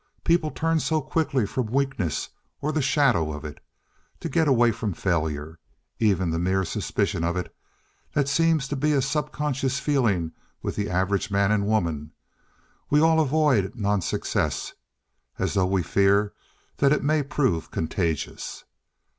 People turn so quickly from weakness or the shadow of it. To get away from failure—even the mere suspicion of it—that seems to be a subconscious feeling with the average man and woman; we all avoid non success as though we fear that it may prove contagious.